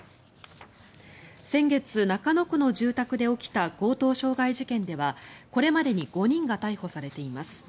先月、中野区の住宅で起きた強盗傷害事件ではこれまでに５人が逮捕されています。